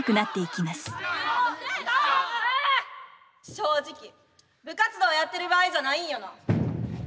正直部活動やってる場合じゃないんよな。